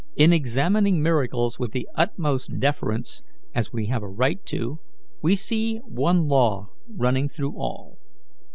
In examining miracles with the utmost deference, as we have a right to, we see one law running through all.